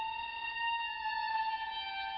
สูงที่เกาะไกล